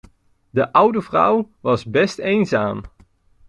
De oude vrouw was best eenzaam.